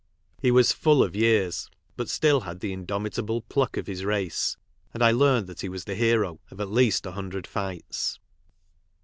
He was " full of years," but still had the indomitable pluck of his race, and I learned that he was the hero of at least a hundred fights.